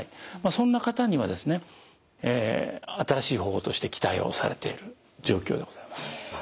そんな方にはですね新しい方法として期待をされている状況でございます。